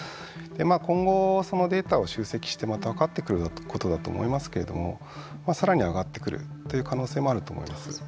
今後、データを集積してまた分かってくることだと思いますけれどもさらに上がってくるという可能性もあると思います。